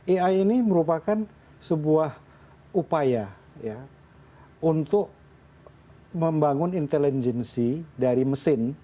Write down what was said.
ai ini merupakan sebuah upaya untuk membangun intelijensi dari mesin